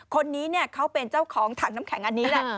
คนนี้เขาเป็นเจ้าของถังน้ำแข็งอันนี้แหละ